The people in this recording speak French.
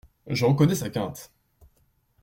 Je reconnais sa quinte.